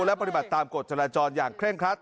และปฏิบัติตามกฎจราจรอย่างเคร่งครัด